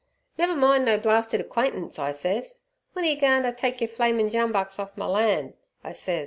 "Never mind no blarsted acquaintance," I sez, "w'en are yer goin' ter take yer flamin' jumbucks orf my lan'?" I sez.